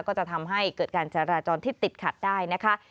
ก็จะทำให้เกิดการจราจรที่ติดขัดได้นะคะ